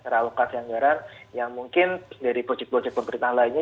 realokasi anggaran yang mungkin dari proyek proyek pemerintahan lainnya